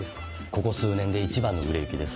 ここ数年で一番の売れ行きです。